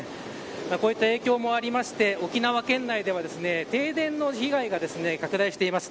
こういった影響もあって沖縄県内では停電の被害が拡大しています。